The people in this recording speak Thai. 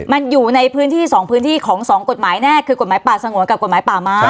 มันอยู่ในพื้นที่สองพื้นที่ของสองกฎหมายแน่คือกฎหมายป่าสงวนกับกฎหมายป่าไม้